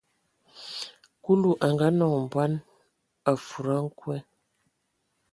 Kulu a ngaanɔŋ bɔn, a fudigi a nkwe.